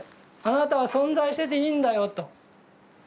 「あなたは存在してていいんだよ」と。